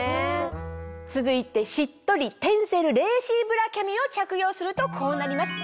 続いてしっとりテンセルレーシーブラキャミを着用するとこうなります。